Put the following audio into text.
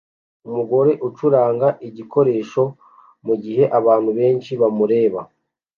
Umugore acuranga igikoresho mugihe abantu benshi bamureba